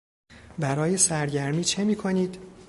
برای سرگرمی چه میکنید؟